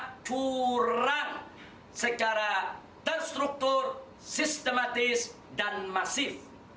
kepung bawah selu dirokot secara terstruktur sistematis dan masif